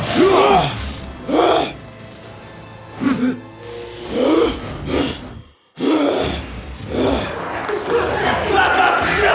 reza dalam bahaya